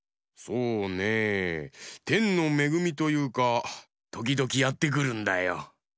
そうねえてんのめぐみというかときどきやってくるんだよ。